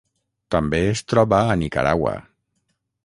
També es troba a Nicaragua.